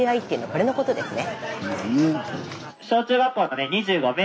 これのことですね。